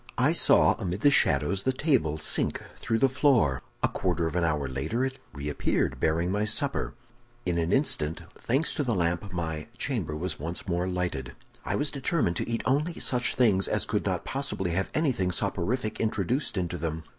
I saw, amid the shadows, the table sink through the floor; a quarter of an hour later it reappeared, bearing my supper. In an instant, thanks to the lamp, my chamber was once more lighted. "I was determined to eat only such things as could not possibly have anything soporific introduced into them.